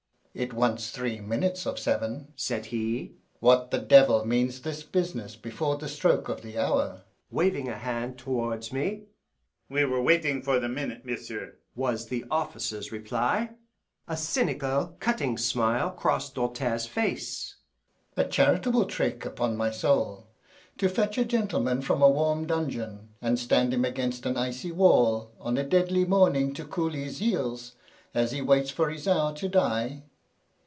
"It wants three minutes of seven," said he. "What the devil means this business before the stroke o' the hour?" waving a hand towards me. "We were waiting for the minute, monsieur," was the officer's reply. A cynical, cutting smile crossed Doltaire's face. "A charitable trick, upon my soul, to fetch a gentleman from a warm dungeon and stand him against an icy wall on a deadly morning to cool his heels as he waits for his hour to die!